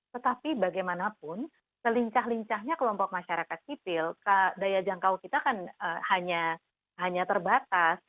tetapi bagaimanapun selincah lincahnya kelompok masyarakat sipil daya jangkau kita kan hanya terbatas